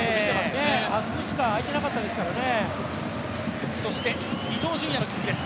あそこしかあいてなかったですからね。